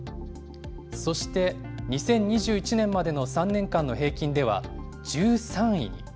そして２０２１年までの３年間の平均では１３位に。